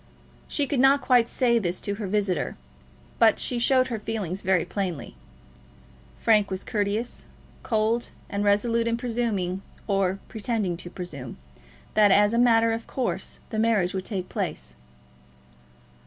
She could not quite say this to her visitor, but she showed her feeling very plainly. Frank was courteous, cold, and resolute in presuming, or pretending to presume, that as a matter of course the marriage would take place.